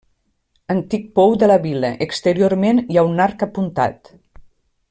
Antic pou de la vila, exteriorment hi ha un arc apuntat.